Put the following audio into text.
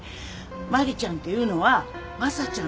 万里ちゃんっていうのは昌ちゃんの妹。